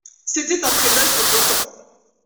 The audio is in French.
C'était un présage de beau temps.